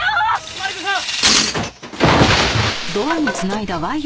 マリコさん！